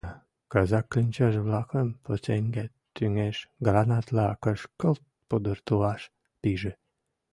Казак кленчаже-влакым пушеҥге тӱҥеш гранатла кышкылт пудыртылаш пиже.